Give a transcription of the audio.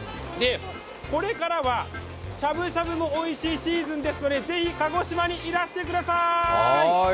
これからはしゃぶしゃぶもおいしいシーズンですのでぜひ鹿児島にいらしてください！